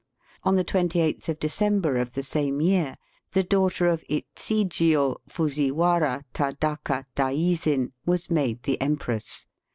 On the 28th of December of the same year, the daughter of Ichijio Fuziwara Tadaka daizin was made the empress.